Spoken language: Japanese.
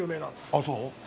ああ、そう？